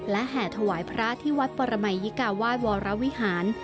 และแห่ถวายพระที่วัดปรมัยยิกาวาสวรวิหาร